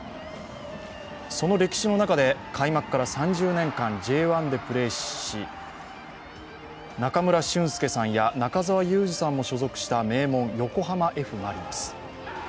その歴史の中で開幕から３０年間、Ｊ１でプレーし、中村俊輔さんや中澤佑二さんも所属した名門、横浜Ｆ・マリノス。